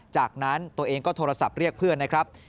จากนั้นตัวเองก็โทรศัพท์เรียกเพื่อนนะครับ